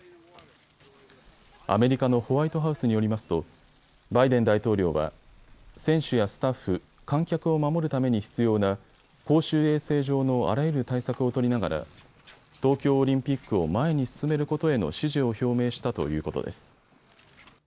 アメリカのホワイトハウスによりますとバイデン大統領は選手やスタッフ、観客を守るために必要な公衆衛生上のあらゆる対策を取りながら東京オリンピックを前に進めることへの支持を表明したということです。